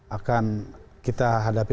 akan kita hadapi